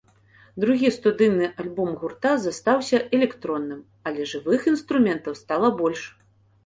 Другі студыйны альбом гурта застаўся электронным, але жывых інструментаў стала больш.